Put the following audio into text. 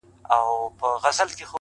• پر منبر مي اورېدلي ستا نطقونه,